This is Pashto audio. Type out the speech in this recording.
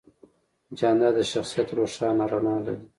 جانداد د شخصیت روښانه رڼا لري.